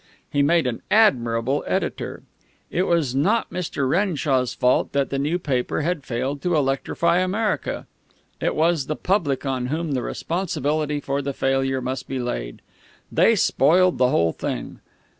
He made an admirable editor. It was not Mr. Renshaw's fault that the new paper had failed to electrify America. It was the public on whom the responsibility for the failure must be laid. They spoiled the whole thing.